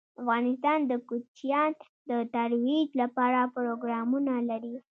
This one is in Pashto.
افغانستان د کوچیان د ترویج لپاره پروګرامونه لري.